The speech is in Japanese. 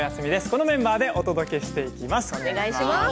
このメンバーでお届けしていきます。